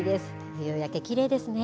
夕焼け、きれいですね。